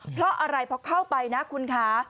เพราะอะไรพอเข้าไปนะคุณคะ